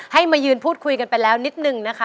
มายืนพูดคุยกันไปแล้วนิดนึงนะคะ